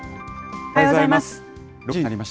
おはようございます。